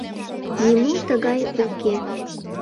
«Нимо тыгай уке».